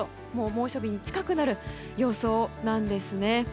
猛暑日に近くなる予想なんです。